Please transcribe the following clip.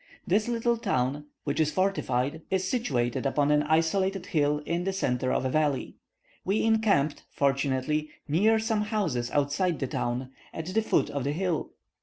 This little town, which is fortified, is situated upon an isolated hill in the centre of a valley. We encamped, fortunately, near some houses outside the town, at the foot of the hill.